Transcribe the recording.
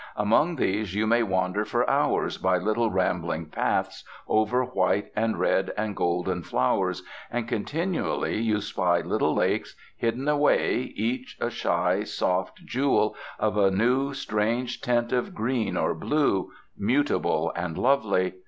Among these you may wander for hours by little rambling paths, over white and red and golden flowers, and, continually, you spy little lakes, hidden away, each a shy, soft jewel of a new strange tint of green or blue, mutable and lovely....